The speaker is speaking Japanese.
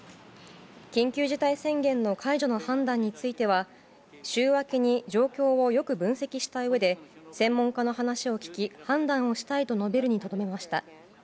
緊急事態宣言の解除の判断については週明けに状況をよく分析したうえで専門家の話を聞き判断したいと述べるにとどめました。